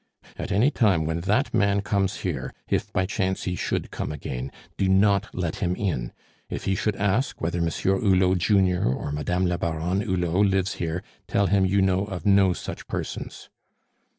"At any time when that man comes here, if by chance he should come again, do not let him in. If he should ask whether Monsieur Hulot junior or Madame la Baronne Hulot lives here, tell him you know of no such persons."